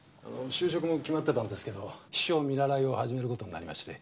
就職も決まってたんですけど秘書見習いを始める事になりまして。